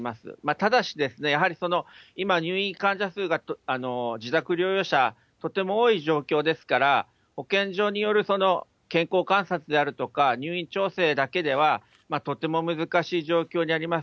ただし、やはりその今、入院患者数が自宅療養者、とても多い状況ですから、保健所による健康観察であるとか入院調整だけでは、とても難しい状況にあります。